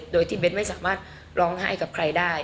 โดยที่เบ้นไม่สามารถร้องไห้กับใครได้